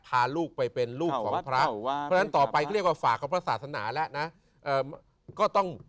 พาลูกไปเป็นลูกของพระเพราะฉะนั้นต่อไปก็เรียกว่าฝากกับพระศาสนาแล้วนะก็ต้อง